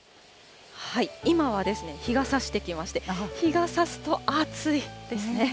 今は日がさしてきまして、日がさすと暑いですね。